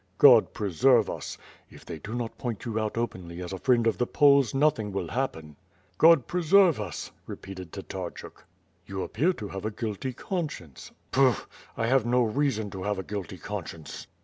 "God preserve us." "If they do not point you out openly as a friend of the Poles, nothing will happen." "God preserve us!' 'repeated Tatarchuk. "You appear to have a guilty conscience." 'Tooh! I have no reason to have a guilty conscience."